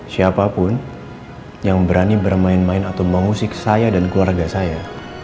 siapapun yang berani bermain main atau mengusik saya dan keluarga saya